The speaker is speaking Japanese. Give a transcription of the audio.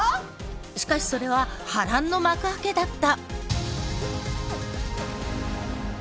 しかしそれは波乱の幕開けだった。